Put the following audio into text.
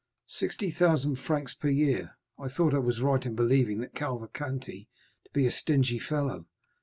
"Sixty thousand francs per year. I thought I was right in believing that Cavalcanti to be a stingy fellow.